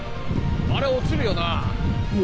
あれ落ちるよな。